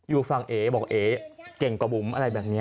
อยู่ฝั่งเอ๋บอกเอ๋เก่งกว่าบุ๋มอะไรแบบนี้